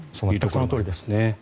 そのとおりですね。